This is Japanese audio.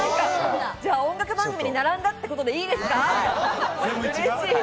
音楽番組に並んだってことでいいですか？